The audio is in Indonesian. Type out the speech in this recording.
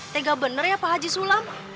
tega bener ya pak haji sulam